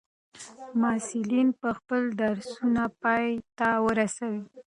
محصلین به خپل درسونه پای ته ورسوي.